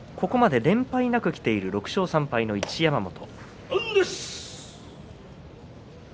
連敗なくきている６勝３敗の一山本。